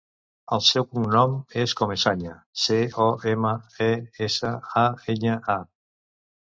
El seu cognom és Comesaña: ce, o, ema, e, essa, a, enya, a.